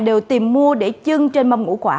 đều tìm mua để chưng trên mâm ngũ quả